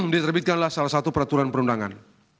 diterbitkanlah salah satu peraturan perundangan